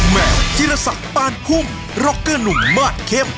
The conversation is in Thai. แม่ธีรศักดิ์ปานพุ่มร็อกเกอร์หนุ่มมาสเข้ม